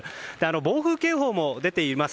暴風警報も出ています。